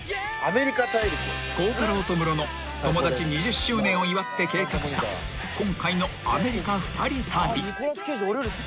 ［孝太郎とムロの友達２０周年を祝って計画した今回のアメリカ２人旅］